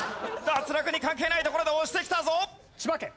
脱落に関係ないところで押してきたぞ。